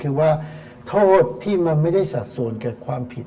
คือว่าโทษกรรมที่ไม่ได้สะสวนกับความผิด